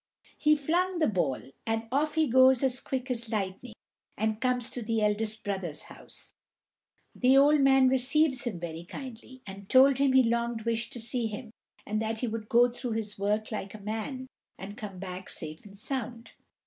He flung the ball, and off he goes as quick as lightning, and comes to the eldest brother's house. The old man receives him very kindly and told him he long wished to see him, and that he would go through his work like a man and come back safe and sound.